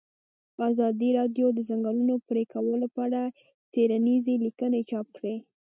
ازادي راډیو د د ځنګلونو پرېکول په اړه څېړنیزې لیکنې چاپ کړي.